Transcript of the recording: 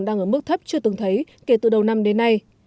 đang ở mức thấp chưa từng thấy kể từ đầu năm đến nay